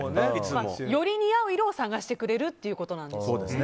より似合う色を探してくれるということなんです。